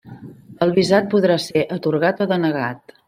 El visat podrà ser atorgat o denegat.